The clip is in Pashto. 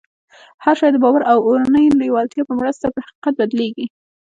هر شی د باور او اورنۍ لېوالتیا په مرسته پر حقیقت بدلېږي